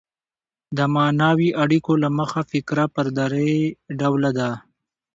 د معنوي اړیکو له مخه فقره پر درې ډوله ده.